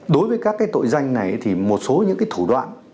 đối với các tội danh này thì một số những thủ đoạn